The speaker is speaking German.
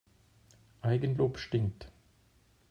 Eigenlob stinkt.